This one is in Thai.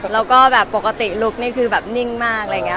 แล้วก็แบบปกติลุกนี่คือแบบนิ่งมากอะไรอย่างนี้